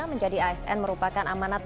menjadi asn merupakan amanat